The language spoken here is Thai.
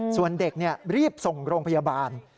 ส่วนเด็กรีบส่งโรงพยาบาล